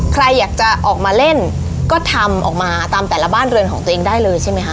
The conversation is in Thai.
ใครอยากจะออกมาเล่นก็ทำออกมาตามแต่ละบ้านเรือนของตัวเองได้เลยใช่ไหมคะ